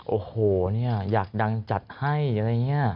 โอ้โหเนี่ยอยากดังจัดให้อะไรอย่างนี้